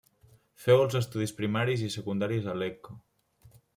Feu els estudis primaris i secundaris a Lecco.